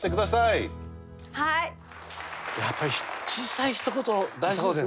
やっぱり小さいひと言大事ですね。